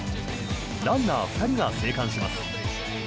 ランナー２人が生還します。